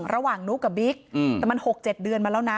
ระหว่างนุกกับบิ๊กอืมแต่มันหกเจ็ดเดือนมาแล้วนะ